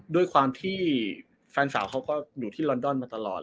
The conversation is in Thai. ด้วยความที่แฟนสาวเขาก็อยู่ที่ลอนดอนมาตลอด